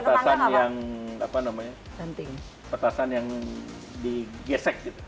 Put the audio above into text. atau petasan yang digesek